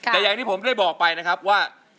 แต่อย่างที่ผมได้บอกไปนะครับว่า